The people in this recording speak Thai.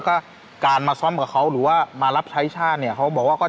ด้วยและอย่างที่สองก็คือเรื่องอายุครับเขาบอกว่าปฏิเสธไม่ได้จริงว่าใน